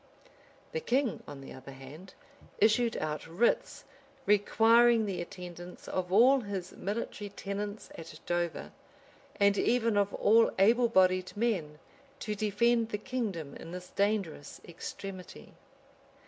The king, on the other hand, issued out writs, requiring the attendance of all his military tenants at Dover, and even of all able bodied men, to defend the kingdom in this dangerous extremity.